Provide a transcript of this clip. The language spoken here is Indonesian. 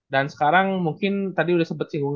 dan sekarang mungkin tadi udah sempet singgung